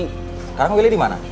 sekarang willy dimana